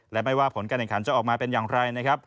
และไม่ว่าผลการเน็กขันจะออกมาเป็นอย่างไร